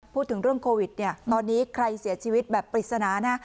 พูดถึงเรื่องโควิดเนี่ยตอนนี้ใครเสียชีวิตแบบปริศนานะ